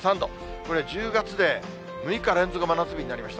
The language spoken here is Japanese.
これ、１０月で６日連続真夏日になりました。